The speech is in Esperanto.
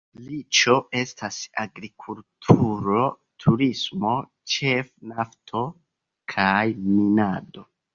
Riĉo estas agrikulturo, turismo, ĉefe nafto kaj minado.